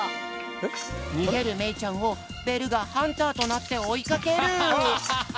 にげるめいちゃんをベルがハンターとなっておいかける。